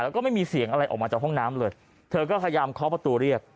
แล้วก็ไม่มีเสียงอะไรออกมาจากห้องน้ำเลยเธอก็พยายามเคาะประตูเรียก